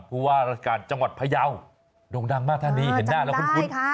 ผู้ว่าราชการจังหวัดพะเยาดงดังมากท่านนี้เห็นหน้าแล้วคุณจำได้ค่ะ